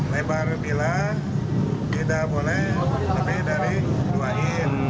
lebar bila tidak boleh lebih dari dua in